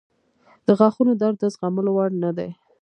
• د غاښونو درد د زغملو وړ نه دی.